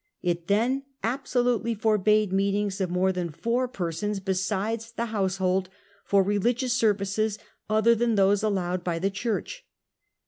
It then absolutely forbade meetings of more than four persons besides the household for religious services other than those allowed by the Church.